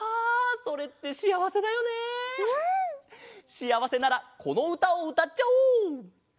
しあわせならこのうたをうたっちゃおう！